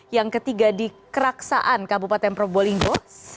yang ketiga di keraksaan kabupaten provolinggo seribu satu ratus tiga puluh enam